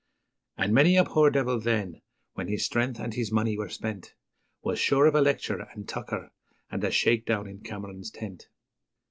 And many a poor devil then, when his strength and his money were spent, Was sure of a lecture and tucker, and a shakedown in Cameron's tent.